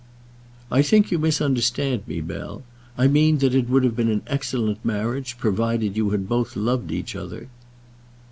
"I think you misunderstand me, Bell. I mean that it would have been an excellent marriage, provided you had both loved each other."